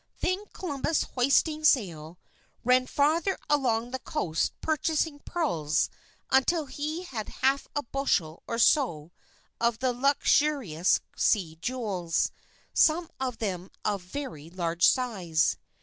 Then Columbus, hoisting sail, ran farther along the coast purchasing pearls until he had half a bushel or so of the lustrous sea jewels, some of them of very large size.